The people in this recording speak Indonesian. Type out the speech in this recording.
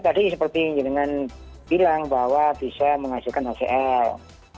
tadi seperti dengan bilang bahwa bisa menghasilkan hcl